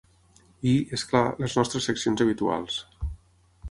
I, és clar, les nostres seccions habituals.